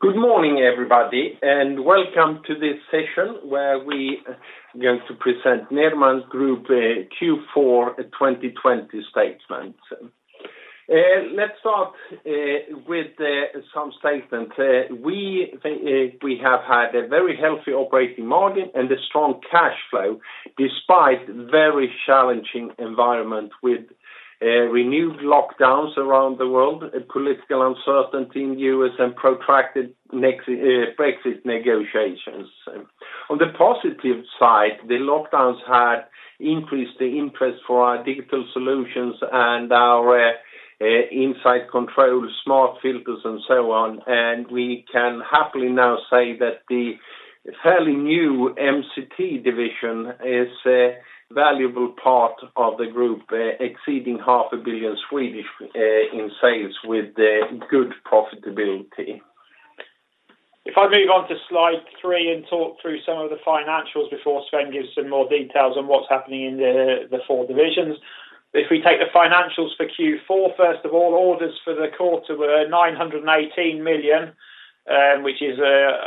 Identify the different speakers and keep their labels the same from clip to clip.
Speaker 1: Good morning, everybody. Welcome to this session where we are going to present Nederman Group Q4 2020 statement. Let's start with some statements. We have had a very healthy operating margin and a strong cash flow despite very challenging environment with renewed lockdowns around the world, political uncertainty in U.S., and protracted Brexit negotiations. On the positive side, the lockdowns had increased the interest in our digital solutions and our Insight Control, SmartFilters, and so on, and we can happily now say that the fairly new MCT division is a valuable part of the group, exceeding half a billion SEK in sales with good profitability.
Speaker 2: If I move on to slide three and talk through some of the financials before Sven gives some more details on what's happening in the four divisions. If we take the financials for Q4, first of all, orders for the quarter were 918 million, which is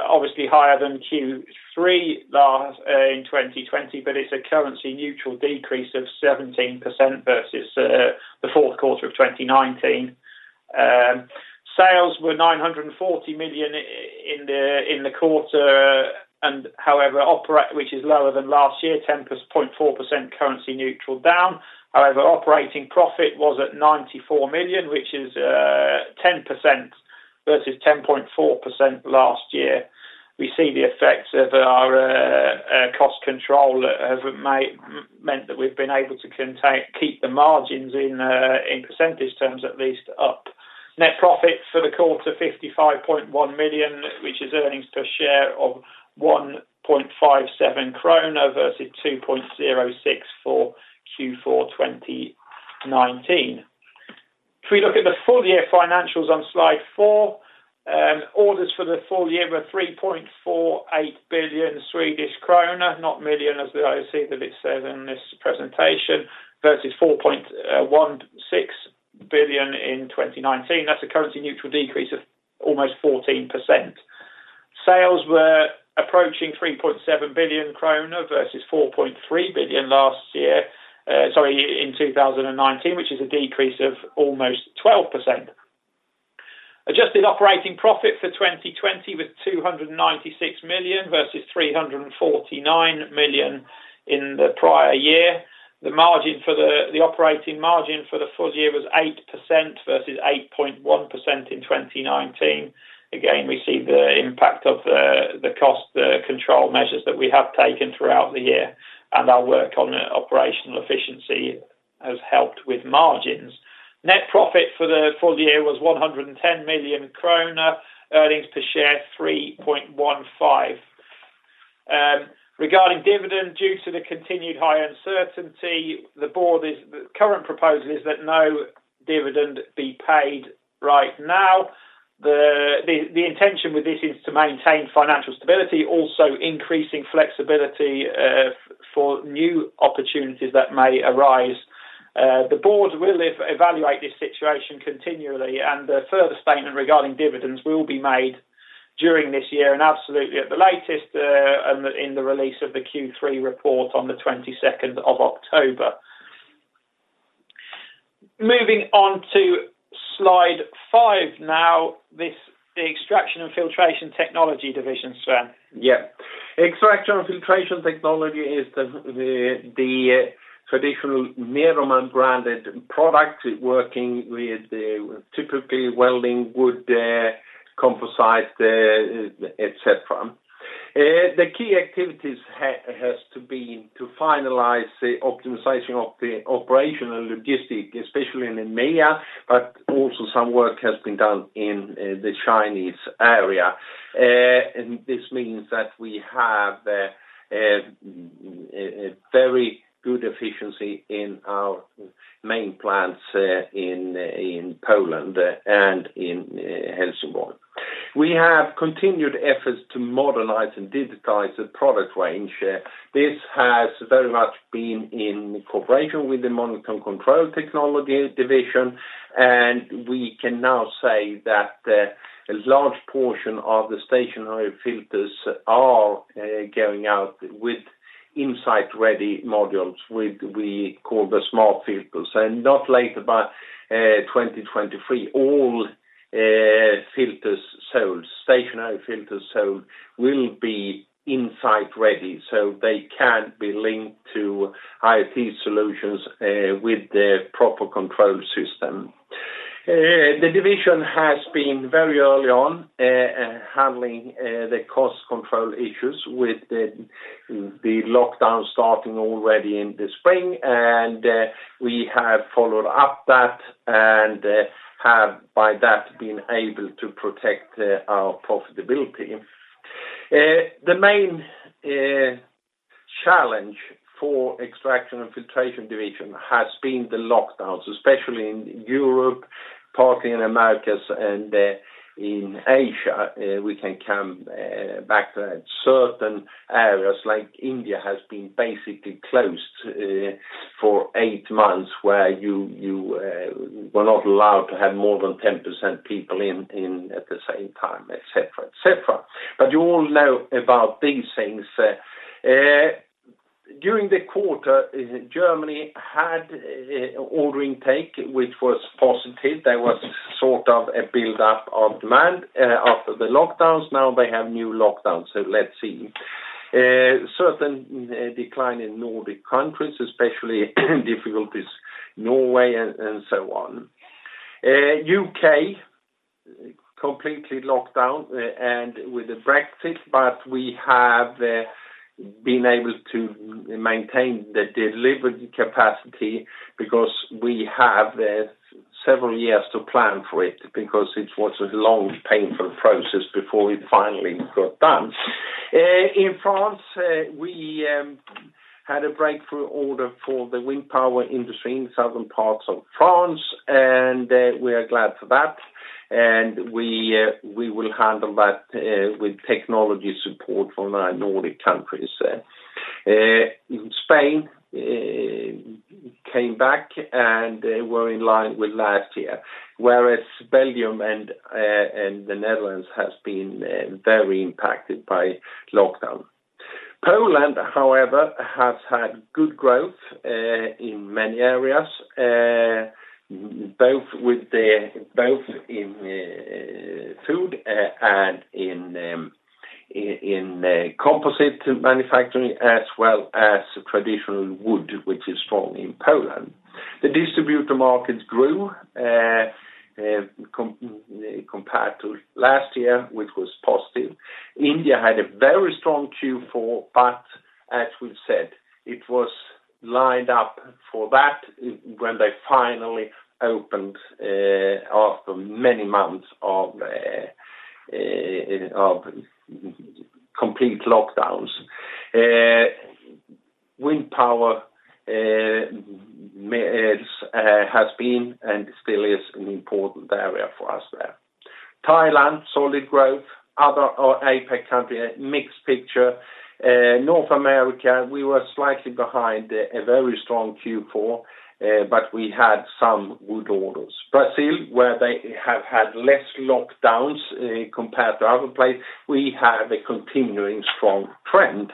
Speaker 2: obviously higher than Q3 last in 2020, but it's a currency neutral decrease of 17% versus the Q4 of 2019. Sales were 940 million in the quarter, however, which is lower than last year, 10.4% currency neutral down. However, operating profit was at 94 million, which is 10% versus 10.4% last year. We see the effects of our cost control that have meant that we've been able to keep the margins in percentage terms, at least up. Net profit for the quarter, 55.1 million, which is earnings per share of 1.57 krona versus 2.06 for Q4 2019. If we look at the full year financials on slide four, orders for the full year were 3.48 billion Swedish krona, not million as I see that it says in this presentation, versus 4.16 billion in 2019. That's a currency neutral decrease of almost 14%. Sales were approaching 3.7 billion krona versus 4.3 billion in 2019, which is a decrease of almost 12%. Adjusted operating profit for 2020 was 296 million versus 349 million in the prior year. The operating margin for the full year was 8% versus 8.1% in 2019. Again, we see the impact of the cost control measures that we have taken throughout the year, and our work on operational efficiency has helped with margins. Net profit for the full year was 110 million kronor, earnings per share 3.15. Regarding dividend, due to the continued high uncertainty, the current proposal is that no dividend be paid right now. The intention with this is to maintain financial stability, also increasing flexibility for new opportunities that may arise. The board will evaluate this situation continually, and a further statement regarding dividends will be made during this year and absolutely at the latest in the release of the Q3 report on the 22nd of October. Moving on to slide five now. The Extraction & Filtration Technology division, Sven.
Speaker 1: Yeah. Extraction & Filtration Technology is the traditional Nederman branded product working with typically welding, wood, composite, et cetera. The key activities has to be to finalize the optimization of the operational logistics, especially in the EMEA, but also some work has been done in the Chinese area. This means that we have a very good efficiency in our main plants in Poland and in Helsingborg. We have continued efforts to modernize and digitize the product range. This has very much been in cooperation with the Monitoring & Control Technology division, and we can now say that a large portion of the stationary filters are going out with Insight ready modules, we call the SmartFilters. Not later, but 2023, all stationary filters sold will be Insight ready, so they can be linked to IoT solutions with the proper control system. The division has been very early on handling the cost control issues with the lockdown starting already in the spring, and we have followed up that and have, by that, been able to protect our profitability. The main challenge for Extraction & Filtration Technology has been the lockdowns, especially in Europe, partly in Americas, and in Asia. We can come back to that. Certain areas like India has been basically closed for eight months, where We're not allowed to have more than 10% people in at the same time, et cetera. You all know about these things. During the quarter, Germany had order intake, which was positive. There was sort of a build-up of demand after the lockdowns. They have new lockdowns. Let's see. Certain decline in Nordic countries, especially difficulties, Norway, and so on. U.K., completely locked down, and with the Brexit, but we have been able to maintain the delivery capacity because we have several years to plan for it, because it was a long, painful process before it finally got done. In France, we had a breakthrough order for the wind power industry in the southern parts of France, and we are glad for that. We will handle that with technology support from our Nordic countries. Spain came back, and we're in line with last year, whereas Belgium and the Netherlands has been very impacted by lockdown. Poland, however, has had good growth in many areas, both in food and in composite manufacturing, as well as traditional wood, which is strong in Poland. The distributor markets grew compared to last year, which was positive. India had a very strong Q4, but as we've said, it was lined up for that when they finally opened after many months of complete lockdowns. Wind power has been, and still is, an important area for us there. Thailand, solid growth. Other APAC country, a mixed picture. North America, we were slightly behind a very strong Q4, but we had some wood orders. Brazil, where they have had less lockdowns compared to other places, we have a continuing strong trend.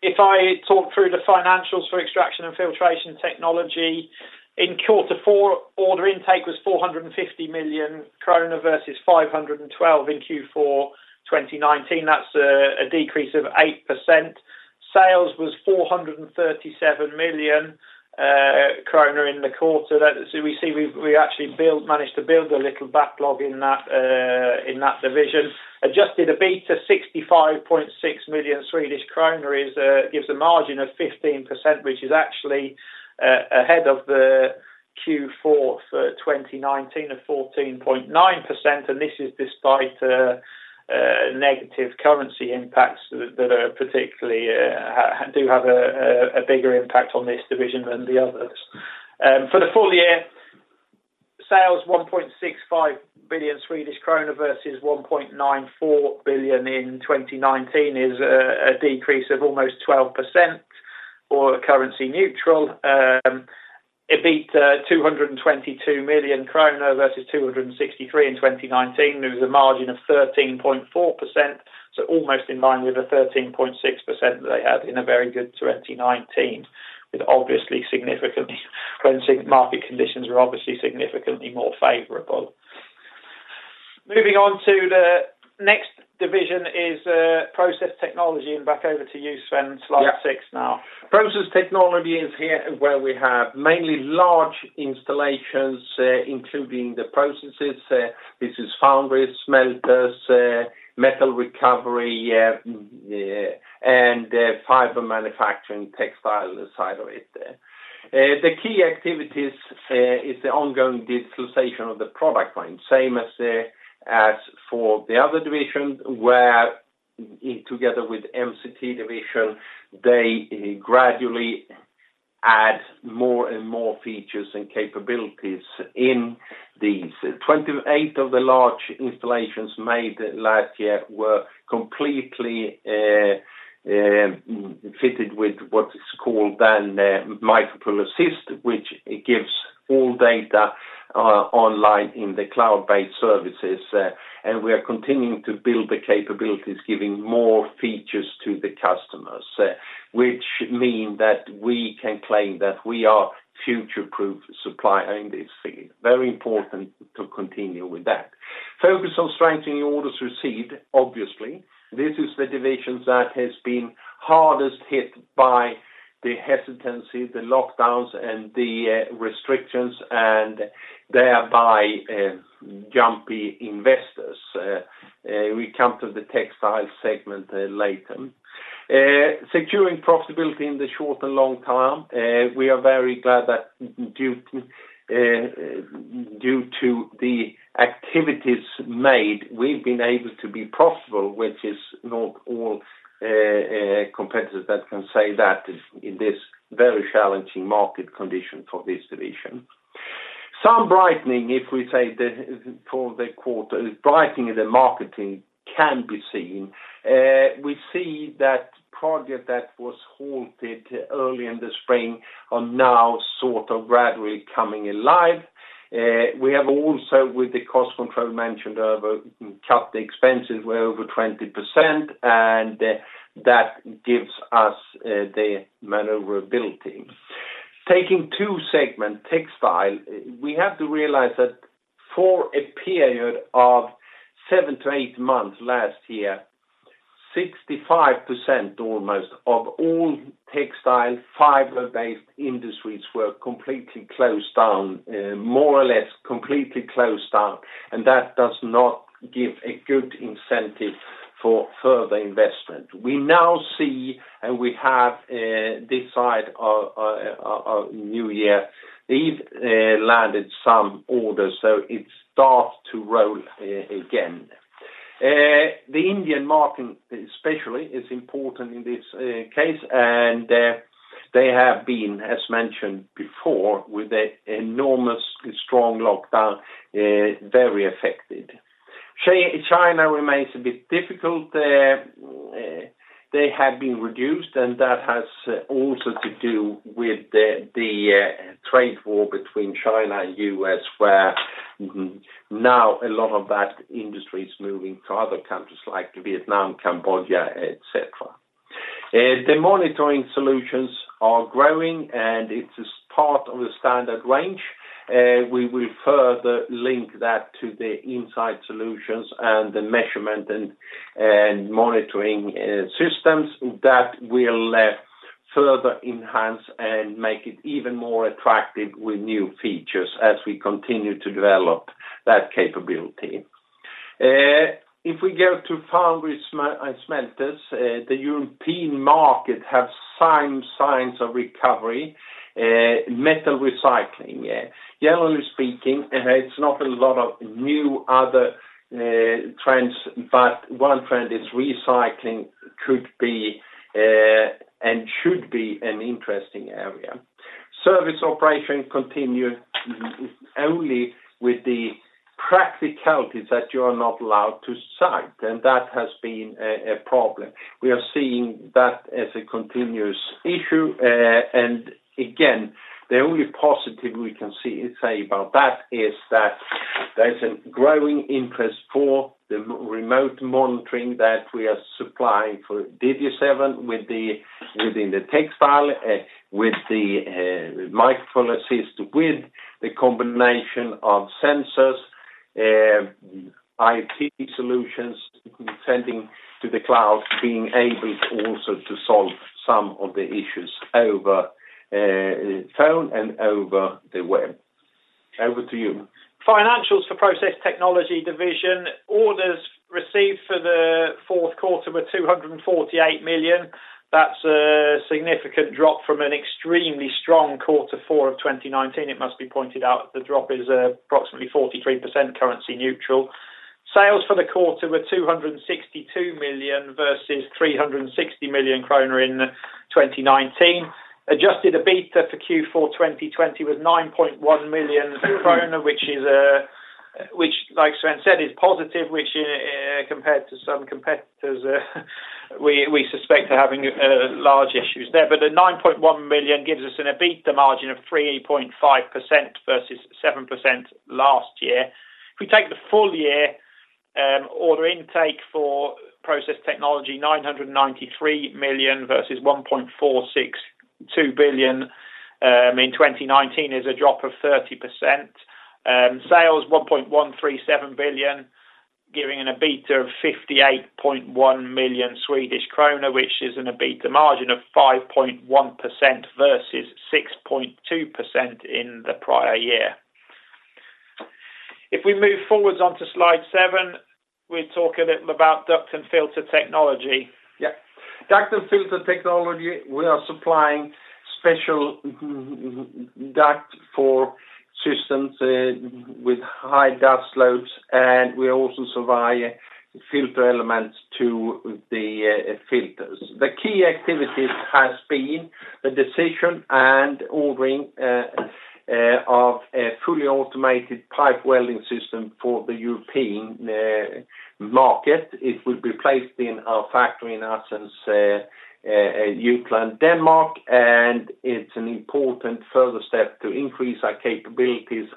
Speaker 2: If I talk through the financials for Extraction and Filtration Technology, in quarter four, order intake was 450 million krona versus 512 in Q4 2019. That's a decrease of 8%. Sales was 437 million kronor in the quarter. We see we actually managed to build a little backlog in that division. Adjusted EBITDA 65.6 million Swedish kronor gives a margin of 15%, which is actually ahead of the Q4 for 2019 of 14.9%, and this is despite negative currency impacts that particularly do have a bigger impact on this division than the others. For the full year, sales 1.65 billion Swedish krona versus 1.94 billion in 2019 is a decrease of almost 12%, or currency neutral. EBITDA 222 million krona versus 263 in 2019. There was a margin of 13.4%, so almost in line with the 13.6% they had in a very good 2019, when market conditions were obviously significantly more favorable. Moving on to the next division is Process Technology, and back over to you, Sven, slide six now.
Speaker 1: Process Technology is here where we have mainly large installations, including the processes. This is foundries, smelters, metal recovery, and fiber manufacturing, textile side of it. The key activities is the ongoing digitalization of the product line, same as for the other divisions, where together with MCT division, they gradually add more and more features and capabilities in these. 28 of the large installations made last year were completely fitted with what is called then MikroPul-Assist, which gives all data online in the cloud-based services. We are continuing to build the capabilities, giving more features to the customers, which mean that we can claim that we are future-proof supplier in this field. Very important to continue with that. Focus on strengthening orders received, obviously. This is the division that has been hardest hit by the hesitancy, the lockdowns, and the restrictions, and thereby jumpy investors. We come to the textile segment later. Securing profitability in the short and long term. We are very glad that due to the activities made, we've been able to be profitable, which is not all competitors that can say that in this very challenging market condition for this division. Some brightening, if we say, for the quarter, brightening in the marketing can be seen. We see that project that was halted early in the spring are now sort of gradually coming alive. We have also, with the cost control mentioned above, cut the expenses by over 20%. That gives us the maneuverability. Taking two segment textile, we have to realize that for a period of seven to eight months last year, 65% almost of all textile fiber-based industries were more or less completely closed down. That does not give a good incentive for further investment. We now see, and we have decided our new year, we've landed some orders, so it starts to roll again. The Indian market especially is important in this case. They have been, as mentioned before, with the enormous strong lockdown, very affected. China remains a bit difficult. They have been reduced. That has also to do with the trade war between China and U.S., where now a lot of that industry is moving to other countries like Vietnam, Cambodia, et cetera. The Monitoring solutions are growing. It's part of the standard range. We will further link that to the Insight solutions and the measurement and Monitoring systems that will further enhance and make it even more attractive with new features as we continue to develop that capability. If we go to foundries and smelters, the European market have some signs of recovery. Metal recycling, generally speaking, it's not a lot of new other trends, but one trend is recycling and should be an interesting area. Service operation continued only with the practicalities that you are not allowed to site, and that has been a problem. We are seeing that as a continuous issue, and again, the only positive we can say about that is that there's a growing interest for the remote monitoring that we are supplying for Divi 7 within the textile, with the MikroPul-Assist, with the combination of sensors, IoT solutions sending to the cloud, being able also to solve some of the issues over phone and over the web. Over to you.
Speaker 2: Financials for Process Technology division. Orders received for the Q4 were 248 million. That's a significant drop from an extremely strong quarter four of 2019. It must be pointed out the drop is approximately 43% currency neutral. Sales for the quarter were 262 million versus 360 million kronor in 2019. Adjusted EBITA for Q4 2020 was 9.1 million kronor, which, like Sven said, is positive, which compared to some competitors, we suspect are having large issues there. The 9.1 million gives us an EBITA margin of 3.5% versus 7% last year. If we take the full year order intake for Process Technology, 993 million versus 1.462 billion in 2019 is a drop of 30%. Sales, 1.137 billion, giving an EBITA of 58.1 million Swedish krona, which is an EBITA margin of 5.1% versus 6.2% in the prior year. If we move forward onto slide seven, we talk a little about Duct & Filter Technology.
Speaker 1: Yeah. Duct & Filter Technology, we are supplying special duct for systems with high dust loads, and we also supply filter elements to the filters. The key activities has been the decision and ordering of a fully automated pipe welding system for the European market. It will be placed in our factory in Assens, Jutland, Denmark, and it's an important further step to increase our capabilities,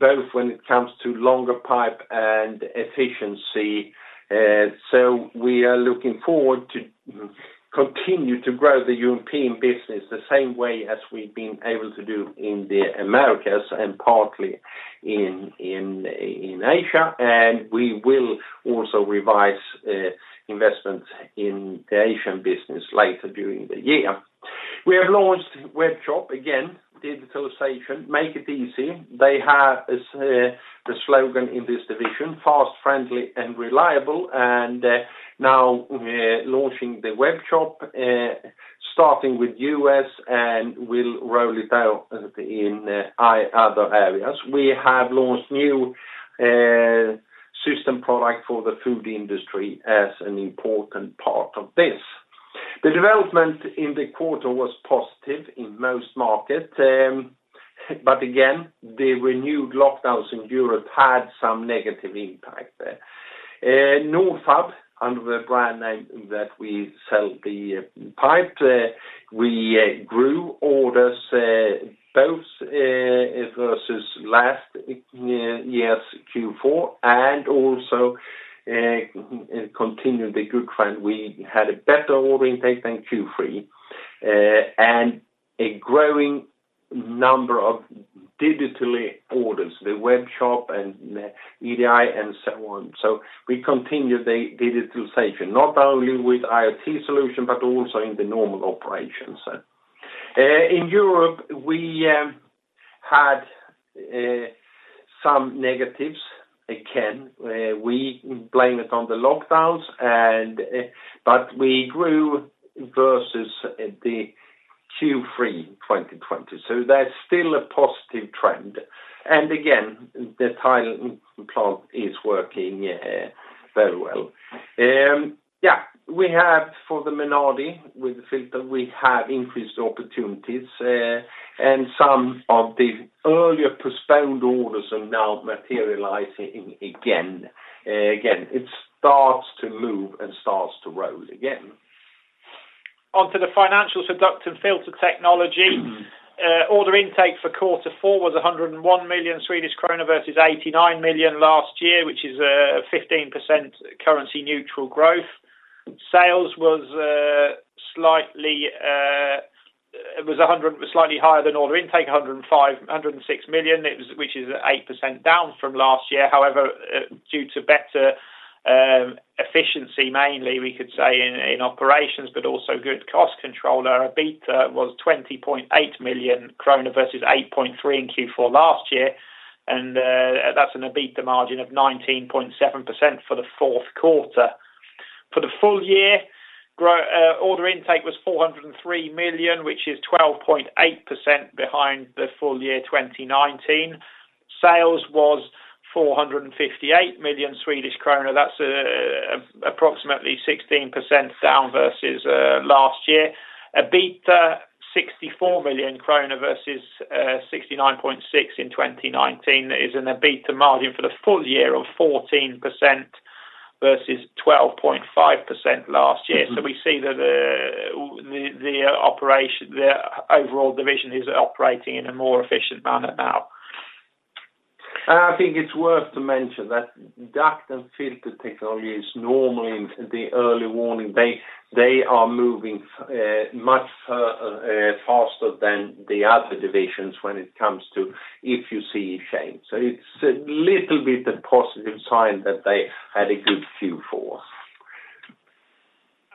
Speaker 1: both when it comes to longer pipe and efficiency. We are looking forward to continuing to grow the European business the same way as we've been able to do in the Americas and partly in Asia, and we will also revise investment in the Asian business later during the year. We have launched web-shop. Again, digitalization, make it easy. They have the slogan in this division, "Fast, friendly, and reliable," and now we're launching the web-shop, starting with U.S., and we'll roll it out in other areas. We have launched new system product for the food industry as an important part of this. The development in the quarter was positive in most markets, but again, the renewed lockdowns in Europe had some negative impact there. In Nordfab, under the brand name that we sell the pipe, we grew orders both versus last year's Q4, and also continued the good trend. We had a better order intake than Q3, and a growing number of digital orders, the web shop, and EDI and so on. We continued the digitalization, not only with IoT solutions, but also in the normal operations. In Europe, we had some negatives. Again, we blame it on the lockdowns, but we grew versus the Q3 2020. That's still a positive trend. Again, the Thailand plant is working very well. We have, for the Menardi, with the filter, we have increased opportunities, and some of the earlier postponed orders are now materializing again. It starts to move and starts to roll again.
Speaker 2: Onto the financials for Duct & Filter Technology. Order intake for quarter four was 101 million Swedish krona versus 89 million last year, which is a 15% currency neutral growth. Sales was slightly higher than order intake, 106 million, which is 8% down from last year. However, due to better efficiency, mainly we could say, in operations, but also good cost control, our EBITDA was 20.8 million krona versus 8.3 million in Q4 last year, and that's an EBITDA margin of 19.7% for the Q4. For the full year, order intake was 403 million, which is 12.8% behind the full year 2019. Sales was 458 million Swedish krona. That's approximately 16% down versus last year. EBITDA, 64 million kronor versus 69.6 million in 2019. That is an EBITDA margin for the full year of 14% versus 12.5% last year. We see that the overall division is operating in a more efficient manner now.
Speaker 1: I think it's worth to mention that Duct & Filter Technology is normally the early warning. They are moving much faster than the other divisions when it comes to if you see a change. It's a little bit a positive sign that they had a good Q4.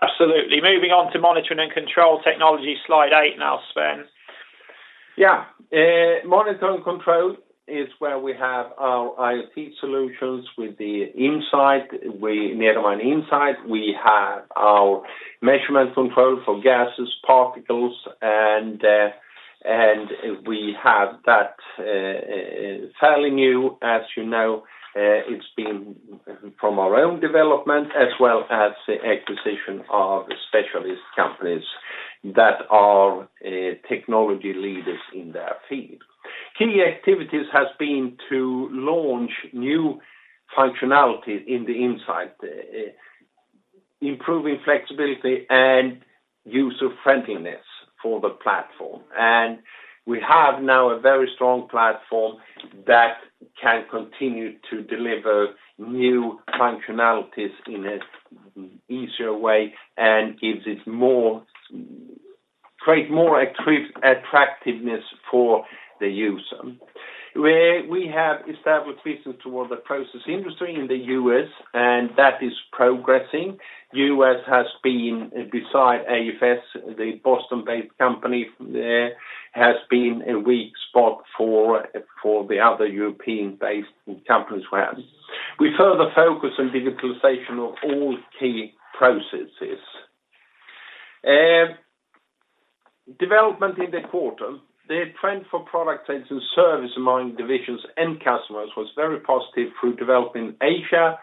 Speaker 2: Absolutely. Moving on to Monitoring & Control Technology, slide eight now, Sven.
Speaker 1: Yeah. Monitoring & Control is where we have our IoT solutions with the Nederman Insight. We have our measurement control for gases, particles, and we have that fairly new. As you know, it's been from our own development as well as the acquisition of specialist companies that are technology leaders in their field. Key activities has been to launch new functionalities in the Insight, improving flexibility, and user-friendliness for the platform. We have now a very strong platform that can continue to deliver new functionalities in an easier way and create more attractiveness for the user. We have established business toward the process industry in the U.S., and that is progressing. U.S. has been, beside AFS, the Boston-based company there, has been a weak spot for the other European-based companies. We further focus on digitalization of all key processes. Development in the quarter. The trend for product sales and service among divisions end customers was very positive through development in Asia,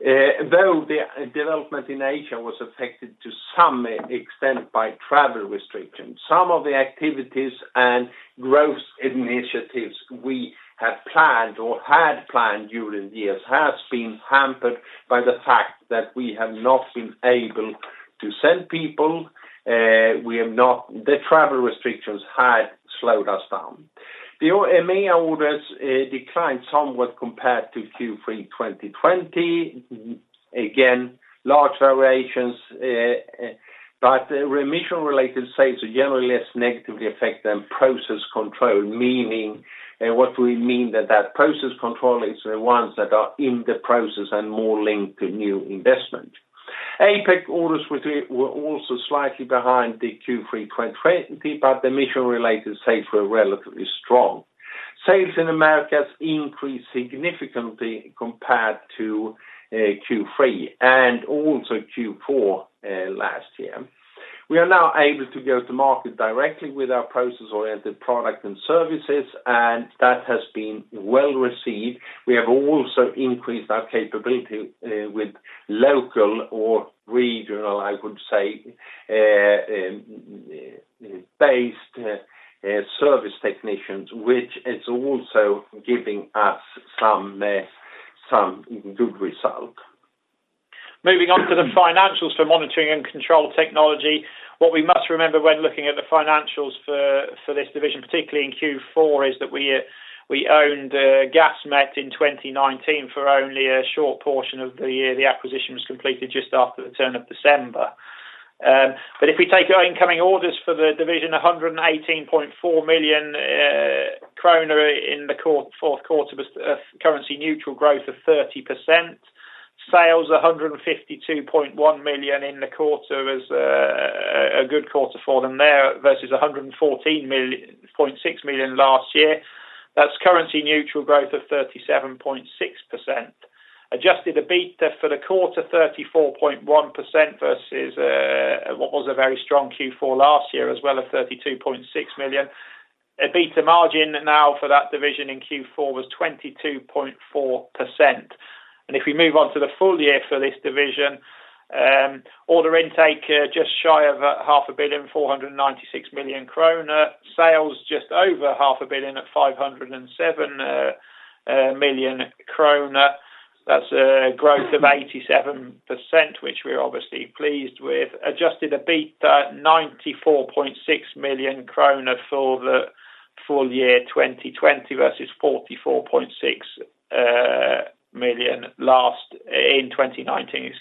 Speaker 1: though the development in Asia was affected to some extent by travel restrictions. Some of the activities and growth initiatives we had planned during the years has been hampered by the fact that we have not been able to send people. The travel restrictions had slowed us down. The EMEA orders declined somewhat compared to Q3 2020. Again, large variations, but emission-related sales are generally less negatively affected than process control. What we mean that process control is the ones that are in the process and more linked to new investment. APAC orders were also slightly behind the Q3 2020, but emission-related sales were relatively strong. Sales in Americas increased significantly compared to Q3 and also Q4 last year. We are now able to go to market directly with our process-oriented product and services, and that has been well received. We have also increased our capability with local or regional, I would say, based-service technicians, which is also giving us some good result.
Speaker 2: Moving on to the financials for Monitoring & Control Technology. What we must remember when looking at the financials for this division, particularly in Q4, is that we owned Gasmet in 2019 for only a short portion of the year. The acquisition was completed just after the turn of December. If we take our incoming orders for the division, 118.4 million kronor in the Q4 was a currency neutral growth of 30%. Sales 152.1 million in the quarter, was a good quarter for them there versus 114.6 million last year. That's currency neutral growth of 37.6%. Adjusted EBIT for the quarter, 34.1% versus what was a very strong Q4 last year as well of 32.6 million. EBITA margin now for that division in Q4 was 22.4%. If we move on to the full year for this division, order intake just shy of half a billion, 496 million kronor. Sales just over half a billion at 507 million kronor. That's a growth of 87%, which we're obviously pleased with. Adjusted EBITA 94.6 million kronor for the full year 2020 versus 44.6 million in 2019.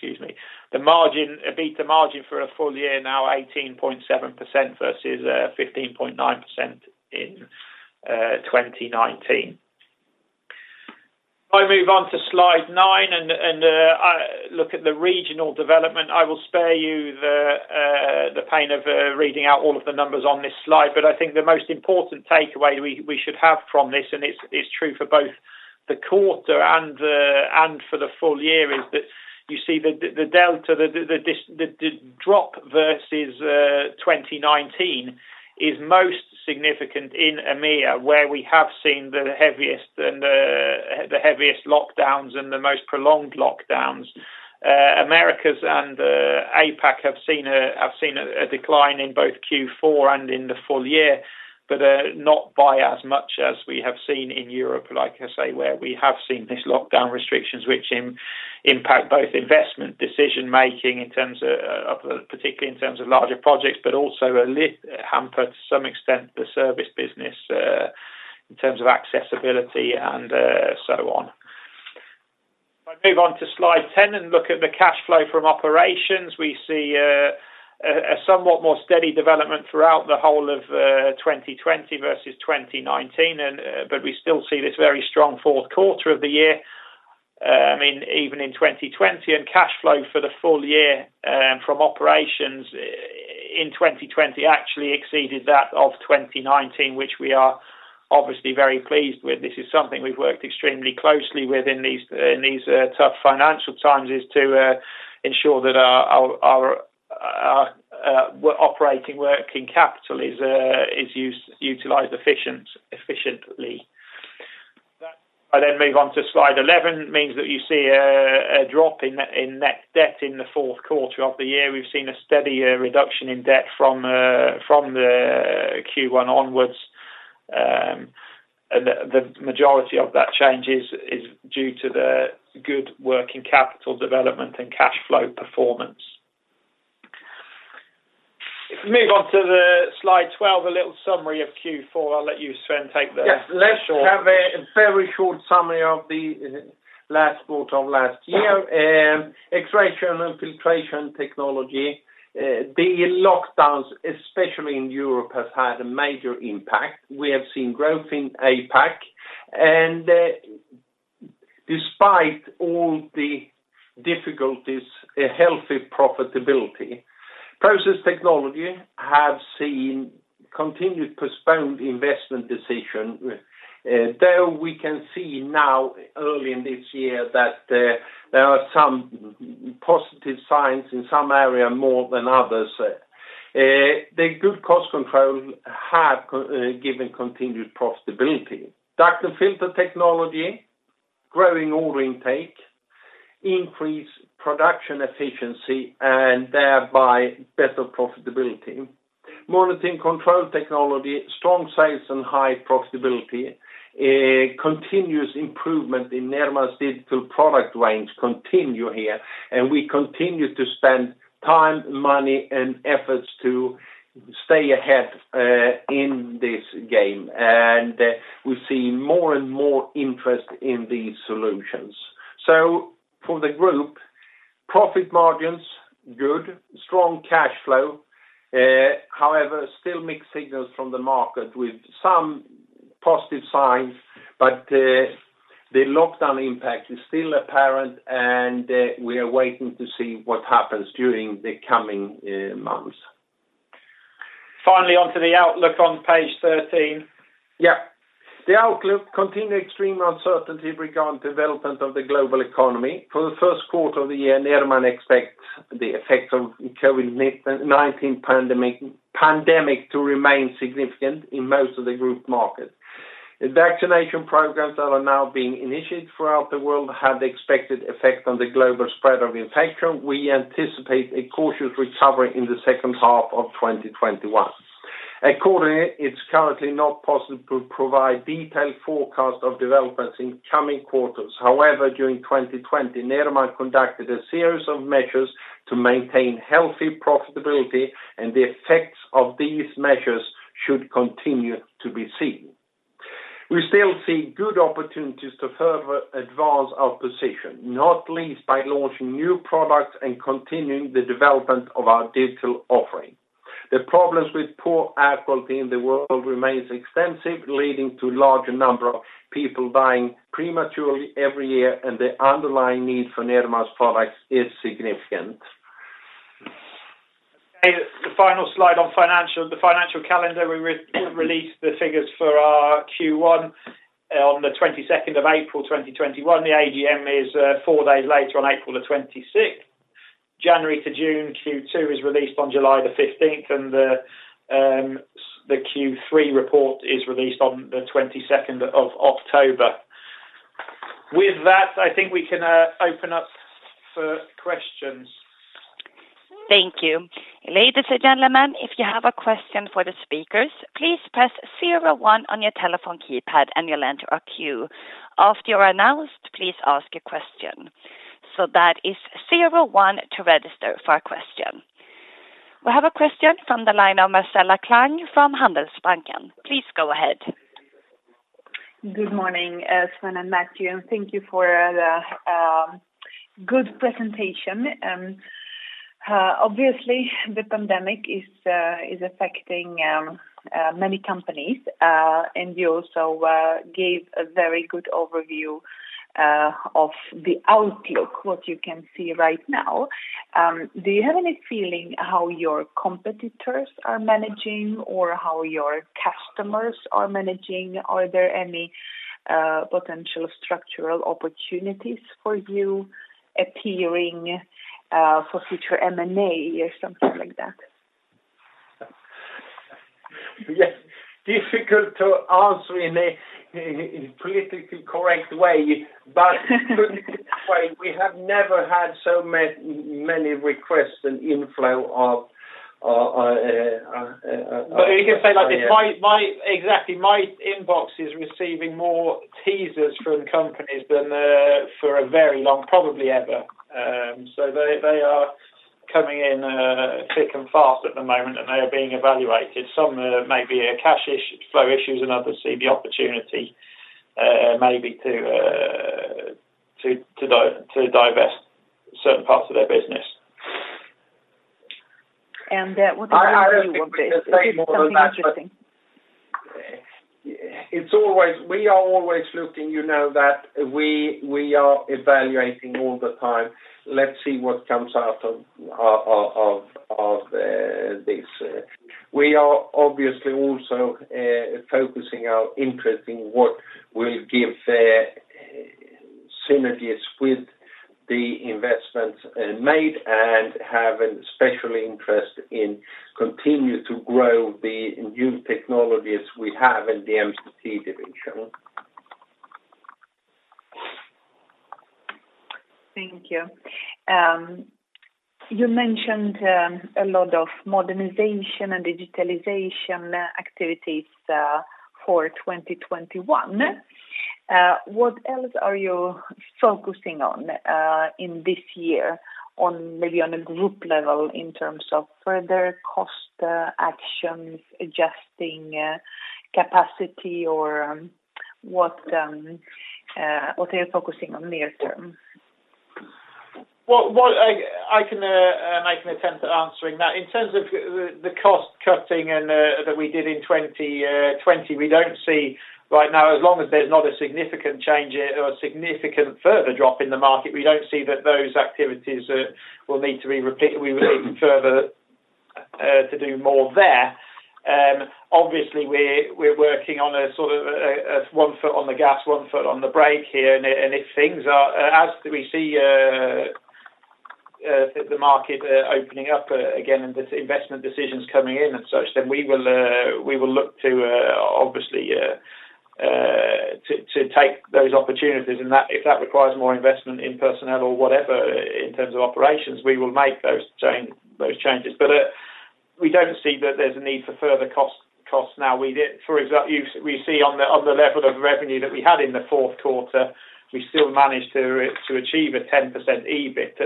Speaker 2: The EBITA margin for a full year now 18.7% versus 15.9% in 2019. If I move on to slide nine and look at the regional development, I will spare you the pain of reading out all of the numbers on this slide, but I think the most important takeaway we should have from this, and it's true for both the quarter and for the full year, is that you see the delta, the drop versus 2019 is most significant in EMEA, where we have seen the heaviest lockdowns and the most prolonged lockdowns. Americas and APAC have seen a decline in both Q4 and in the full year, but not by as much as we have seen in Europe, like I say, where we have seen these lockdown restrictions, which impact both investment decision making particularly in terms of larger projects, but also hampered to some extent the service business, in terms of accessibility and so on. If I move on to slide 10 and look at the cash flow from operations, we see a somewhat steadier development throughout the whole of 2020 versus 2019, but we still see this very strong Q4 of the year even in 2020. Cash flow for the full year from operations in 2020 actually exceeded that of 2019, which we are obviously very pleased with. This is something we've worked extremely closely with in these tough financial times, is to ensure that our operating working capital is utilized efficiently. If I then move on to slide 11, means that you see a drop in net debt in the Q4 of the year. We've seen a steady reduction in debt from the Q1 onwards. The majority of that change is due to the good work in capital development and cash flow performance. If you move on to the slide 12, a little summary of Q4. I'll let you, Sven, take that.
Speaker 1: Let's have a very short summary of the last quarter of last year. Extraction & Filtration Technology, the lockdowns, especially in Europe, has had a major impact. We have seen growth in APAC, despite all the difficulties, a healthy profitability. Process Technology have seen continued postponed investment decision. We can see now early in this year that there are some positive signs in some area more than others. The good cost control have given continued profitability. Duct & Filter Technology, growing order intake, increased production efficiency, and thereby better profitability. Monitoring & Control Technology, strong sales and high profitability. Continuous improvement in Nederman's digital product range continue here, and we continue to spend time, money, and efforts to stay ahead in this game. We see more and more interest in these solutions. For the group, profit margins good, strong cash flow. Still mixed signals from the market with some positive signs, but the lockdown impact is still apparent, and we are waiting to see what happens during the coming months.
Speaker 2: Finally, onto the outlook on page 13.
Speaker 1: The outlook continued extreme uncertainty regarding development of the global economy. For the Q1 of the year, Nederman expects the effects of COVID-19 pandemic to remain significant in most of the group markets. If vaccination programs that are now being initiated throughout the world have the expected effect on the global spread of infection, we anticipate a cautious recovery in the H2 of 2021. Accordingly, it's currently not possible to provide detailed forecast of developments in coming quarters. However, during 2020, Nederman conducted a series of measures to maintain healthy profitability, and the effects of these measures should continue to be seen. We still see good opportunities to further advance our position, not least by launching new products and continuing the development of our digital offering. The problems with poor air quality in the world remains extensive, leading to larger number of people dying prematurely every year, and the underlying need for Nederman's products is significant.
Speaker 2: Okay. The final slide on the financial calendar. We release the figures for our Q1 on the 22nd of April 2021. The AGM is four days later on April the 26th. January to June, Q2 is released on July the 15th, and the Q3 report is released on the 22nd of October. With that, I think we can open up for questions.
Speaker 3: Thank you. Ladies and gentlemen, if you have a question for the speakers, please press zero one on your telephone keypad and you'll enter a queue. After you're announced, please ask a question. That is zero one to register for a question. We have a question from the line of Marcela Klang from Handelsbanken. Please go ahead.
Speaker 4: Good morning, Sven and Matthew, and thank you for the good presentation. Obviously, the pandemic is affecting many companies, and you also gave a very good overview of the outlook, what you can see right now. Do you have any feeling how your competitors are managing or how your customers are managing? Are there any potential structural opportunities for you appearing for future M&A or something like that?
Speaker 1: Yes. Difficult to answer in a politically correct way, but we have never had so many requests and inflow of-
Speaker 2: You can say like this, exactly, my inbox is receiving more teasers from companies than for a very long, probably ever. They are coming in thick and fast at the moment, and they are being evaluated. Some may be cash flow issues, and others see the opportunity maybe to divest certain parts of their business.
Speaker 4: What is your view of this? Is this something interesting?
Speaker 1: We are always looking, you know that. We are evaluating all the time. Let's see what comes out of this. We are obviously also focusing our interest in what will give synergies with the investments made and have a special interest in continue to grow the new technologies we have in the MCT division.
Speaker 4: Thank you. You mentioned a lot of modernization and digitalization activities for 2021. What else are you focusing on in this year, maybe on a group level in terms of further cost actions, adjusting capacity or what are you focusing on near term?
Speaker 2: I can make an attempt at answering that. In terms of the cost cutting that we did in 2020, we don't see right now, as long as there's not a significant change or a significant further drop in the market, we don't see that those activities will need to be repeated further to do more there. Obviously, we're working on a one foot on the gas, one foot on the brake here, and as we see the market opening up again and the investment decisions coming in and such, then we will look to obviously to take those opportunities, and if that requires more investment in personnel or whatever, in terms of operations, we will make those changes. We don't see that there's a need for further costs now. For example, we see on the level of revenue that we had in the Q4, we still managed to achieve a 10% EBIT.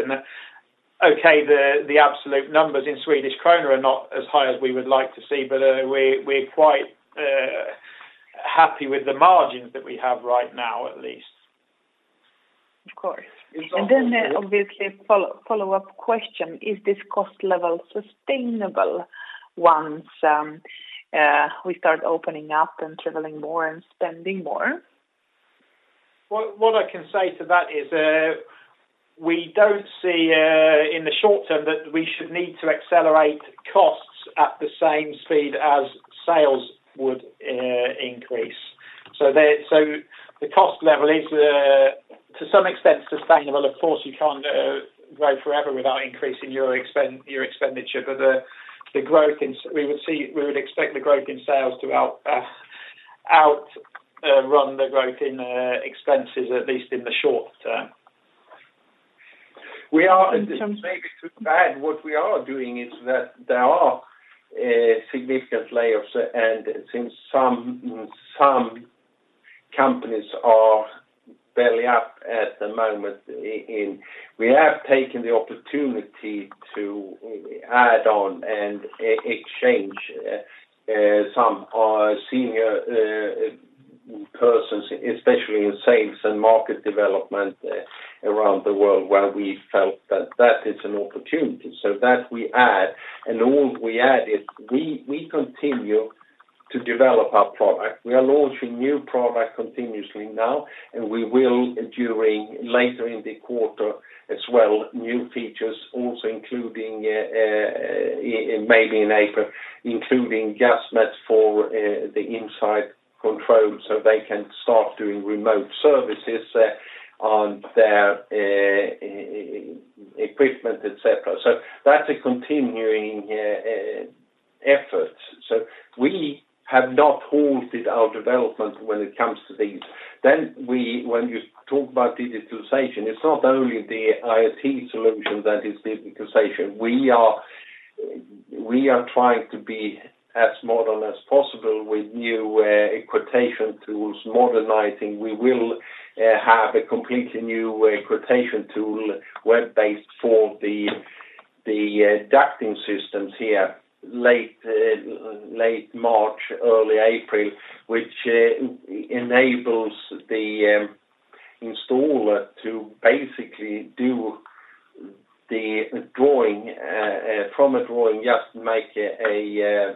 Speaker 2: Okay, the absolute numbers in SEK are not as high as we would like to see, but we're quite happy with the margins that we have right now, at least.
Speaker 4: Of course. Obviously, follow-up question, is this cost level sustainable once we start opening up and traveling more and spending more?
Speaker 2: What I can say to that is we don't see in the short term that we should need to accelerate costs at the same speed as sales would increase. The cost level is to some extent sustainable. Of course, you can't grow forever without increasing your expenditure, but we would expect the growth in sales to outrun the growth in expenses, at least in the short term.
Speaker 1: This may be too bad. What we are doing is that there are significant layoffs, and since some companies are barely up at the moment, we have taken the opportunity to add on and exchange some senior persons, especially in sales and market development around the world, where we felt that that is an opportunity. That we add, and all we add is we continue to develop our product. We are launching new product continuously now, and we will during later in the quarter as well, new features also including, maybe in April, including Gasmet for the Insight Control, so they can start doing remote services on their equipment, et cetera. That's a continuing effort. We have not halted our development when it comes to these. When you talk about digitalization, it's not only the IoT solution that is digitalization. We are trying to be as modern as possible with new quotation tools, modernizing. We will have a completely new quotation tool, web-based, for the ducting systems here late March, early April, which enables the installer to basically do the drawing, from a drawing, just make a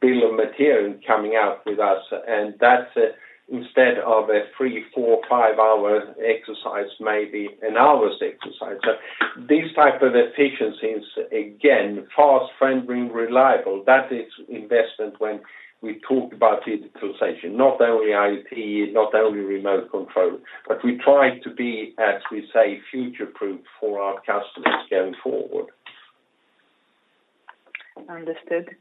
Speaker 1: bill of material coming out with us, and that's instead of a three, four, five-hour exercise, maybe an hour's exercise. These types of efficiencies, again, fast, friendly, reliable, that is investment when we talk about digitalization. Not only IoT, not only remote control, but we try to be, as we say, future-proof for our customers going forward.
Speaker 4: Understood.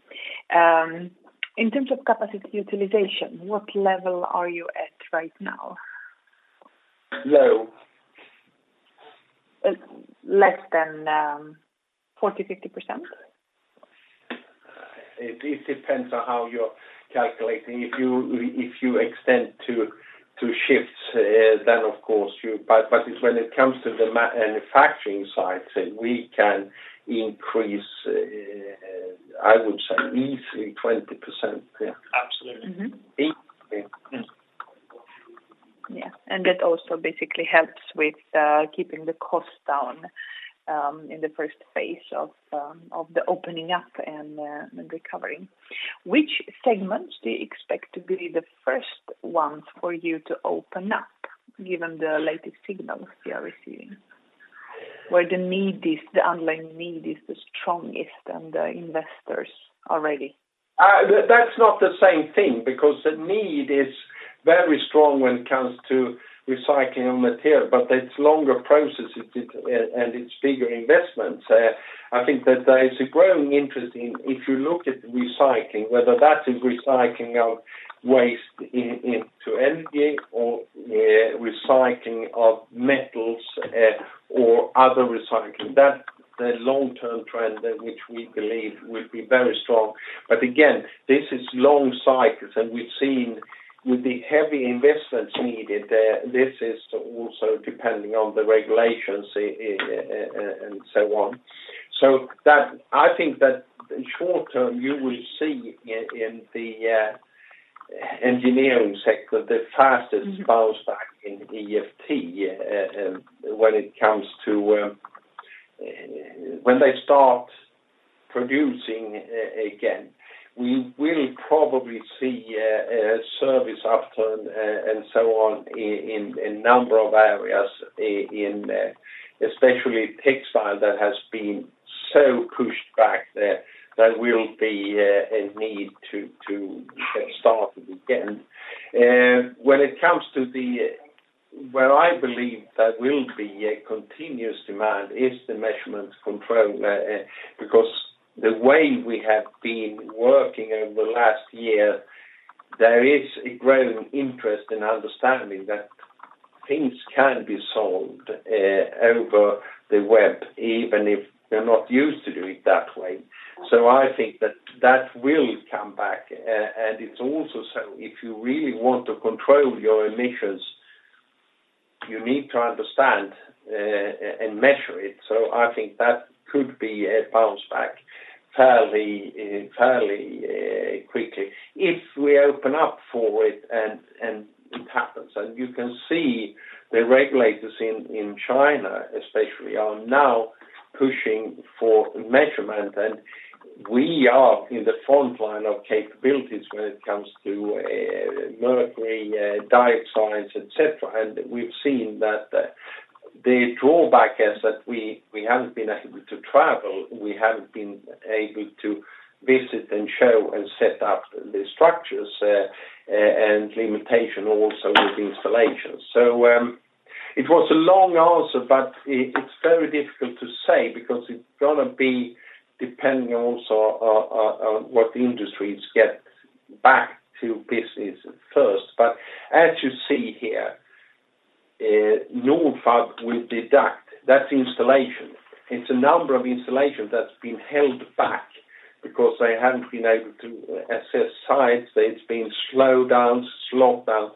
Speaker 4: In terms of capacity utilization, what level are you at right now?
Speaker 1: Low.
Speaker 4: Less than 40%, 50%?
Speaker 1: It depends on how you're calculating. If you extend to shifts, then of course, when it comes to the manufacturing side, we can increase, I would say easily 20%. Yeah.
Speaker 2: Absolutely.
Speaker 1: Easily.
Speaker 4: Yeah. That also basically helps with keeping the cost down in the first phase of the opening up and recovering. Which segments do you expect to be the first ones for you to open up, given the latest signals you are receiving? Where the underlying need is the strongest and the investors are ready.
Speaker 1: That's not the same thing because the need is very strong when it comes to recycling of material, but it's longer processes, and it's bigger investments. I think that there's a growing interest in, if you look at recycling, whether that is recycling of waste into energy or recycling of metals or other recycling, that's the long-term trend in which we believe will be very strong. Again, this is long cycles, and we've seen with the heavy investments needed, this is also depending on the regulations, and so on. I think that in short term, you will see in the engineering sector, the fastest bounce back in EFT when they start producing again. We will probably see a service upturn, and so on, in a number of areas, in especially textile that has been so pushed back, there will be a need to start again. Where I believe there will be a continuous demand is the measurement control, because the way we have been working over the last year, there is a growing interest in understanding that things can be sold over the web, even if they're not used to doing it that way. I think that will come back. It's also, if you really want to control your emissions, you need to understand and measure it. I think that could be a bounce back fairly quickly if we open up for it, and it happens. You can see the regulators in China especially are now pushing for measurement, and we are in the front line of capabilities when it comes to mercury, dioxides, et cetera, and we've seen that. The drawback is that we haven't been able to travel, we haven't been able to visit and show and set up the structures, and limitation also with installations. It was a long answer, but it's very difficult to say because it's going to be dependent also on what the industries get back to business first. As you see here, Nordfab will do that. That's installation. It's a number of installations that's been held back because they haven't been able to assess sites. It's been slowed down, slogged down.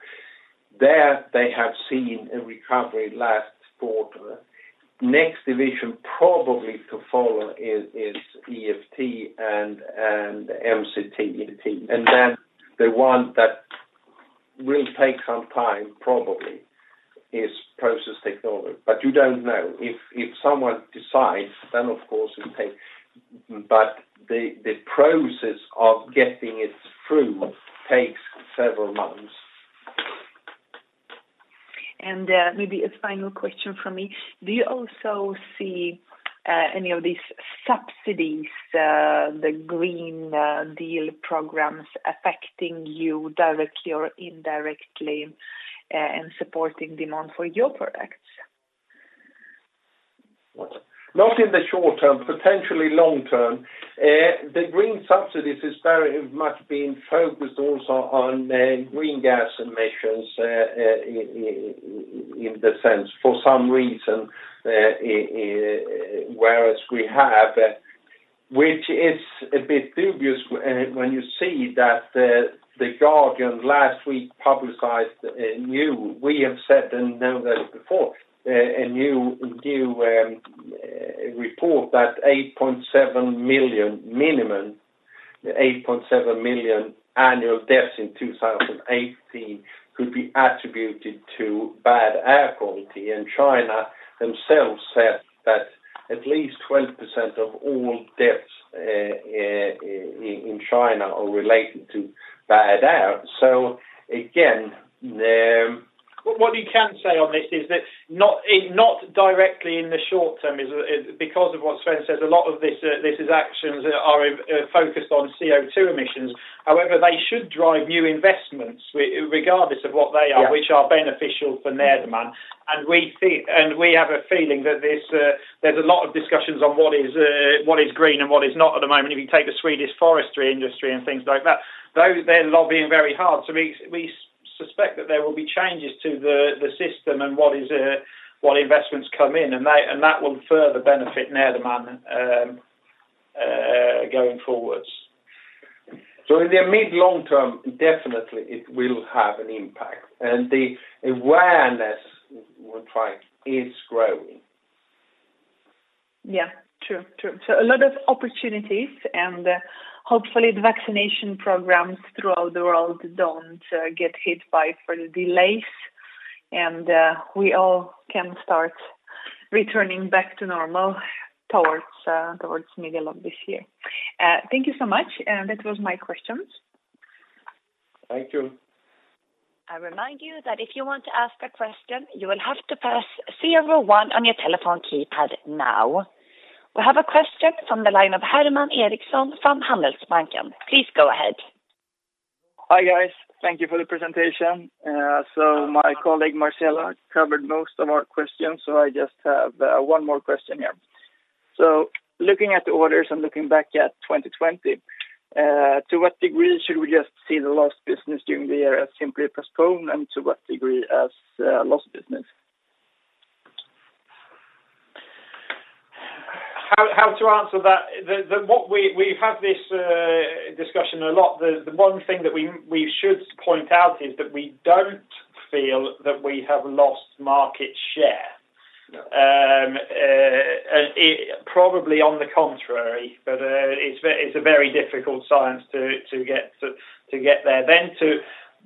Speaker 1: There they have seen a recovery last quarter. Next division probably to follow is EFT and MCT. The one that will take some time probably is Process Technology, but you don't know. If someone decides, then of course it takes, but the process of getting it through takes several months.
Speaker 4: Maybe a final question from me. Do you also see any of these subsidies, the Green Deal programs, affecting you directly or indirectly, and supporting demand for your products?
Speaker 1: Not in the short term, potentially long term. The green subsidies has very much been focused also on green gas emissions, in the sense, for some reason, whereas we have, which is a bit dubious when you see that The Guardian last week publicized a new, we have said and known this before, a new report that 8.7 million minimum, 8.7 million annual deaths in 2018 could be attributed to bad air quality. China themselves said that at least 20% of all deaths in China are related to bad air. Again.
Speaker 2: What you can say on this is that not directly in the short term, because of what Sven says, a lot of this is actions that are focused on CO2 emissions. However, they should drive new investments regardless of what they are.
Speaker 1: Yes
Speaker 2: which are beneficial for Nederman. We have a feeling that there's a lot of discussions on what is green and what is not at the moment. If you take the Swedish forestry industry and things like that, they're lobbying very hard. We suspect that there will be changes to the system and what investments come in, and that will further benefit Nederman going forwards.
Speaker 1: In the mid long term, definitely it will have an impact, and the awareness is growing.
Speaker 4: Yeah. True. A lot of opportunities, and hopefully the vaccination programs throughout the world don't get hit by further delays, and we all can start returning back to normal towards middle of this year. Thank you so much. That was my questions.
Speaker 1: Thank you.
Speaker 3: I remind you that if you want to ask a question, you will have to press zero one on your telephone keypad now. We have a question from the line of Herman Eriksson from Handelsbanken. Please go ahead.
Speaker 5: Hi, guys. Thank you for the presentation. My colleague Marcela covered most of our questions, so I just have one more question here. Looking at the orders and looking back at 2020, to what degree should we just see the lost business during the year as simply postponed and to what degree as lost business?
Speaker 2: How to answer that? We have this discussion a lot. The one thing that we should point out is that we don't feel that we have lost market share.
Speaker 5: No.
Speaker 2: Probably on the contrary, but it's a very difficult science to get there. To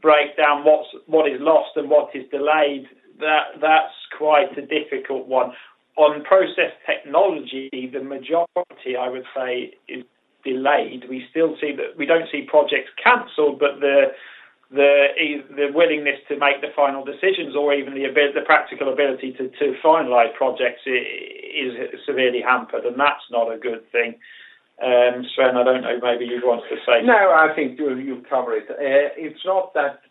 Speaker 2: break down what is lost and what is delayed, that's quite a difficult one. On Process Technology, the majority, I would say, is delayed. We don't see projects canceled, but the willingness to make the final decisions or even the practical ability to finalize projects is severely hampered, and that's not a good thing. Sven, I don't know, maybe you'd want to say.
Speaker 1: No, I think you've covered it. It's not that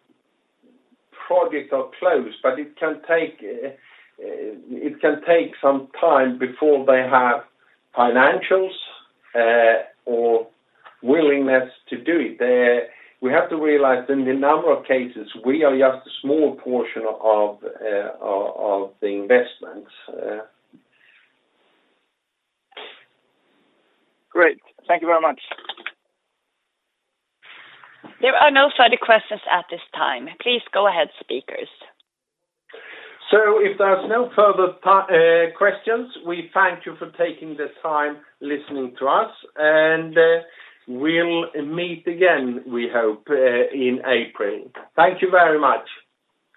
Speaker 1: projects are closed, but it can take some time before they have financials or willingness to do it. We have to realize that in a number of cases, we are just a small portion of the investments.
Speaker 5: Great. Thank you very much.
Speaker 3: There are no further questions at this time. Please go ahead, speakers.
Speaker 1: If there's no further questions, we thank you for taking the time listening to us, and we'll meet again, we hope, in April. Thank you very much.